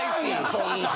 そんなん。